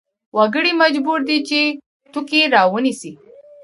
وګړي مجبور دي چې توکې راونیسي.